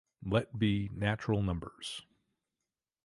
Let be natural numbers.